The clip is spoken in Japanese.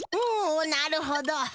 おおなるほど。